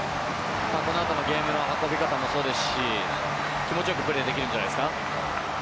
この後のゲームの運び方もそうですし気持ちよくプレーできるんじゃないですか。